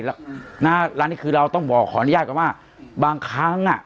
แล้วร้านนี้คือเราต้องบอกขออนุญาตก่อนว่าบางครั้งอ่ะ